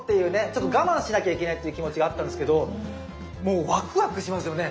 ちょっと我慢しなきゃいけないっていう気持ちがあったんですけどもうワクワクしますよね。